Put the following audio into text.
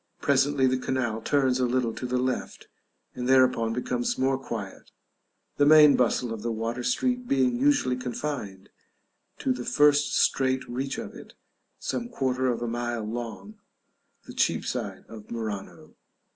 Presently the canal turns a little to the left, and thereupon becomes more quiet, the main bustle of the water street being usually confined to the first straight reach of it, some quarter of a mile long, the Cheapside of Murano.